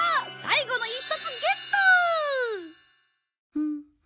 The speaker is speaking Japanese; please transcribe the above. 最後の一冊ゲット！